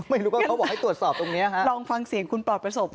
ไม่รู้ว่าเขาบอกให้ตรวจสอบตรงนี้ฮะลองฟังเสียงคุณปลอดประสบ